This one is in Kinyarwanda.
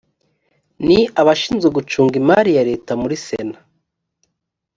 ni abashinzwe gucunga imari ya leta muri sena